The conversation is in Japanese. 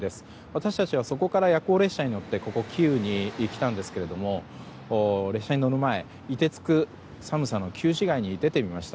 私たちはそこから夜行列車に乗ってここキーウに来たんですけど列車に乗る前凍てつく寒さの旧市街に出てみました。